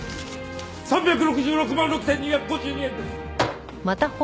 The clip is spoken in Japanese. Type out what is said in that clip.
３６６万６２５２円です。